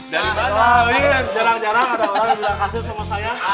jangan jangan ada orang yang bilang kaset sama saya